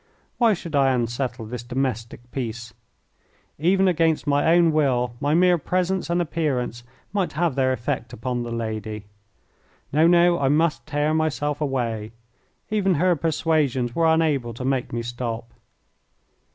Why should I unsettle this domestic peace? Even against my own will my mere presence and appearance might have their effect upon the lady. No, no, I must tear myself away even her persuasions were unable to make me stop.